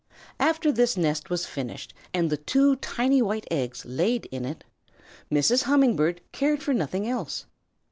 After this nest was finished and the two tiny white eggs laid in it, Mrs. Humming Bird cared for nothing else.